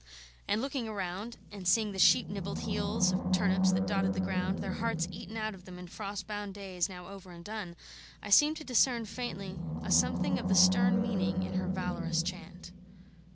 And looking round, and seeing the sheep nibbled heels of turnips that dotted the ground, their hearts eaten out of them in frost bound days now over and done, I seemed to discern, faintly, a something of the stern meaning in her valorous chant.